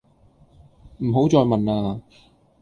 唔好再問呀